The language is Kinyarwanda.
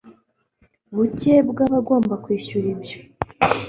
buke bw abagomba kwishyura ibyo